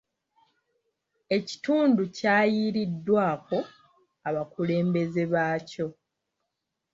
Ekitundu kyayiiriddwako abakulembeze baakyo.